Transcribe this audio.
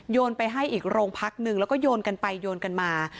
ไปให้อีกโรงพักหนึ่งแล้วก็โยนกันไปโยนกันมา